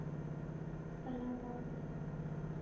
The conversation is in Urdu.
علامات